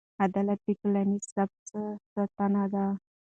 عدالت د ټولنیز ثبات ستنه ده.